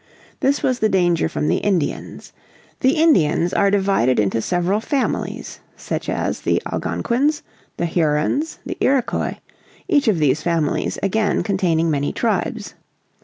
This was the danger from the Indians. The Indians are divided into several families, such as the Algonquins, the Hurons, the Iroquois, each of these families again containing many tribes.